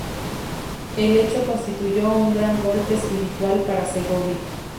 El hecho constituyó un gran golpe espiritual para Segovia.